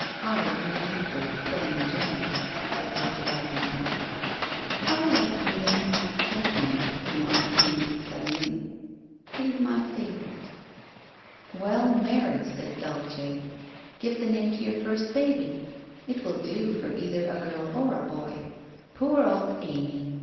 I re named her plain Jane/ said Mr. Dyconson. ' I like the name of Esme/ remarked Amy, suddenly. ' It is my favourite/ ' Well, marry/ said Dulce, f give the name to your first baby. It will do for either a girl or a boy. Poor old Amy